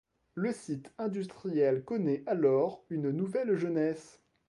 Le site industriel connait alors une nouvelle jeunesse.